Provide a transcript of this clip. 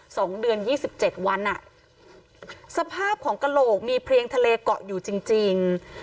สองเดือนยี่สิบเจ็ดวันอ่ะสภาพของกระโหลกมีเพลียงทะเลเกาะอยู่จริงจริง